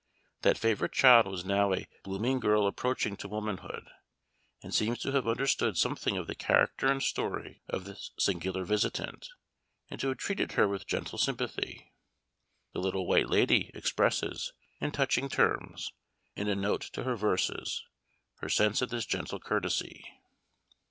That favorite child was now a blooming girl approaching to womanhood, and seems to have understood something of the character and story of this singular visitant, and to have treated her with gentle sympathy. The Little White Lady expresses, in touching terms, in a note to her verses, her sense of this gentle courtesy.